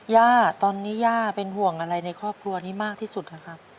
ย่าตอนนี้ย่าเป็นห่วงอะไรในครอบครัวนี้มากที่สุดนะครับ